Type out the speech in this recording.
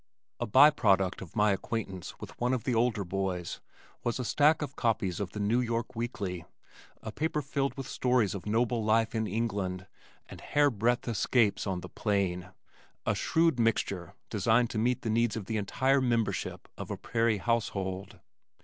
A by product of my acquaintance with one of the older boys was a stack of copies of the New York Weekly, a paper filled with stories of noble life in England and hair breadth escapes on the plain, a shrewd mixture, designed to meet the needs of the entire membership of a prairie household.